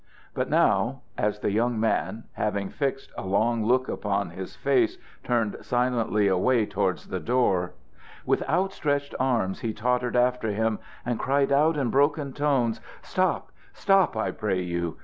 But now as the young man, having fixed a long look upon his face, turned silently away towards the door, with out stretched arms he tottered after him, and cried out in broken tones: "Stop! Stop, I pray you!